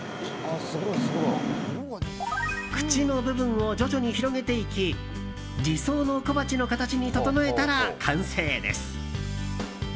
口の部分を徐々に広げていき理想の小鉢の形に整えたら完成です。